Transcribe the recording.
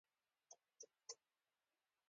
د څارویو روغتیا ساتنه د لبنیاتو ښه والی تضمینوي.